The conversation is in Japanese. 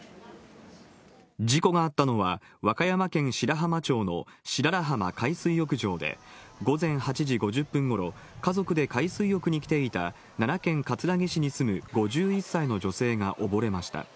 事故があったのは、和歌山県白浜町のしららはま海水浴場で、午前８時５０分ごろ、家族で海水浴に来ていた奈良県葛城市に住む５１歳の女性が溺れました。